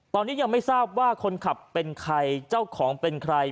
ตอนนี้ยังไม่ทราบว่าคนขับเป็นใครเจ้าของเป็นใคร